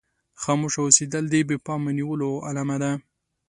خاموشه اوسېدل د بې پامه نيولو علامه ده.